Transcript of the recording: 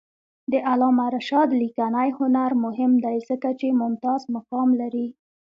د علامه رشاد لیکنی هنر مهم دی ځکه چې ممتاز مقام لري.